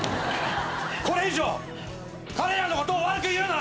これ以上彼らのことを悪く言うな。